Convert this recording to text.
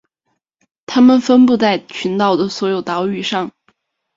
它们分布在群岛的所有岛屿上。